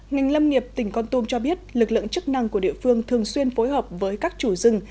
ngành lâm nghiệp tỉnh con tum cho biết lực lượng chức năng của địa phương thường xuyên phối hợp với các chủ rừng